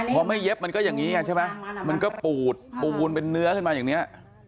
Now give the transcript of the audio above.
พอไม่เย็บมันก็อย่างนี้ไงใช่ไหมมันก็ปูดปูนเป็นเนื้อขึ้นมาอย่างนี้